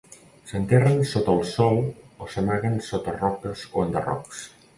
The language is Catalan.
S'enterren sota el sòl o s'amaguen sota roques o enderrocs.